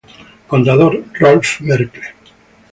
Contador: Rolf Merkle.